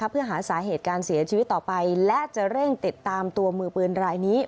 เพื่อหาสาเหตุการเสียชีวิตต่อไปและจะเร่งติดตามตัวมือปืนรายนี้